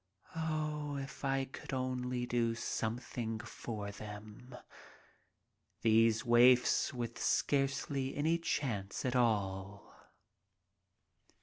Oh, if I could only do something for them. These waifs with scarcely any chance at all.